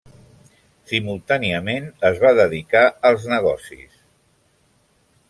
Simultàniament es va dedicar als negocis.